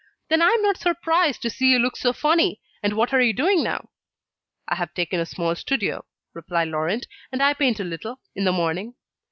"Then I am not surprised to see you look so funny: and what are you doing now?" "I have taken a small studio," replied Laurent; "and I paint a little, in the morning."